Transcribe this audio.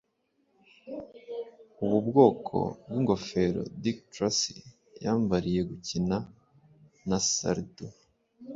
Ubu bwoko bwingofero Dick Tracy yambariye gukina na Sardou